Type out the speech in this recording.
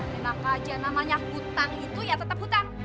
maka aja namanya hutang itu ya tetap hutang